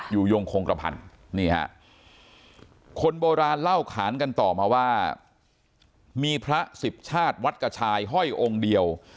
โยงโคงกระพันนี่ฮะคนโบราณเล่าขานกันต่อมาว่ามีพระสิบชาติวัดกระชายห้อยองค์เดียว